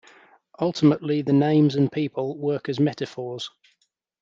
Ultimately the names and people work as metaphors.